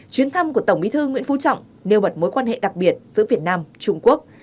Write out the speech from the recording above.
chuyến thăm của tổng bí thư nguyễn phú trọng nêu bật mối quan hệ đặc biệt giữa việt nam trung quốc